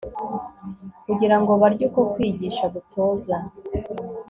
kugira ngo barye Uko kwigisha gutoza